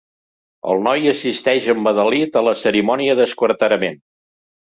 El noi assisteix embadalit a la cerimònia d'esquarterament.